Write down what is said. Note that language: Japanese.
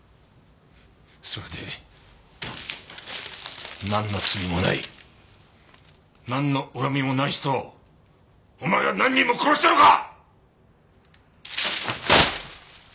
それでなんの罪もないなんの恨みもない人をお前は何人も殺したのか！？